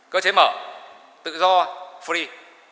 cơ chế mở tự do free